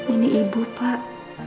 ini ibu pak